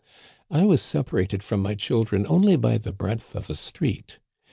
I was separated from my children only by the breadth of a street.